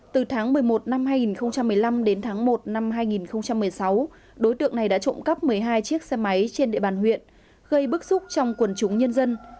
từ tháng một mươi một năm hai nghìn một mươi năm đến tháng một năm hai nghìn một mươi sáu đối tượng này đã trộm cắp một mươi hai chiếc xe máy trên địa bàn huyện gây bức xúc trong quần chúng nhân dân